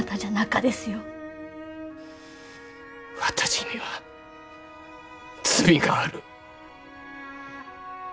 私には罪がある。